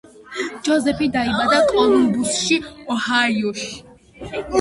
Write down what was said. ჯოზეფი დაიბადა კოლუმბუსში, ოჰაიოში.